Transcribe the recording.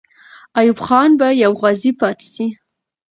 ایوب خان به یو غازی پاتې سي.